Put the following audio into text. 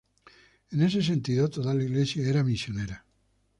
En ese sentido toda la iglesia era misionera.